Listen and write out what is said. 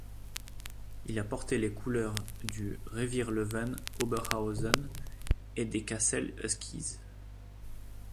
Il a porté les couleurs du Revierlöwen Oberhausen et des Cassel Huskies.